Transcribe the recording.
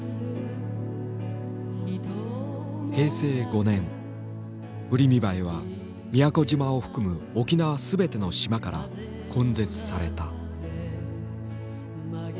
平成５年ウリミバエは宮古島を含む沖縄全ての島から根絶された。